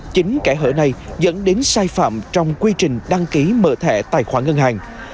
chính kẻ hở này dẫn đến sai phạm trong quy trình đăng ký mở thẻ tài khoản ngân hàng